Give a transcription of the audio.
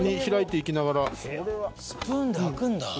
スプーンで開くんだ。